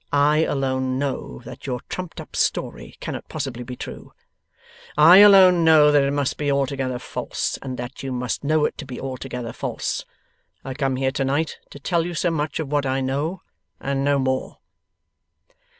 I alone know that your trumped up story cannot possibly be true. I alone know that it must be altogether false, and that you must know it to be altogether false. I come here to night to tell you so much of what I know, and no more.